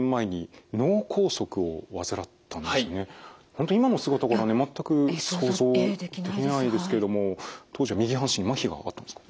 本当今の姿からはね全く想像できないですけれども当時は右半身まひがあったんですか？